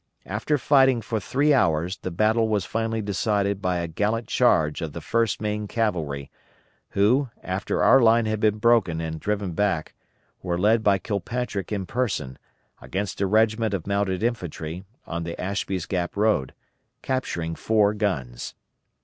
After fighting for three hours the battle was finally decided by a gallant charge of the 1st Maine Cavalry, who, after our line had been broken and driven back, were led by Kilpatrick in person, against a regiment of mounted infantry on the Ashby's Gap road, capturing four guns.